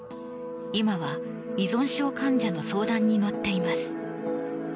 今は依存症患者の相談に乗っています。